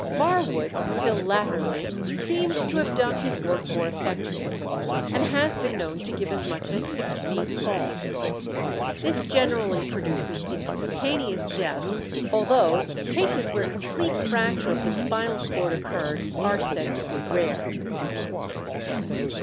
Marwood till latterly seemed to have done his work more effectually, and has been known to give as much as six feet fall. This generally produces instantaneous death, although cases where complete fracture of the spinal cord occurred are said to be rare.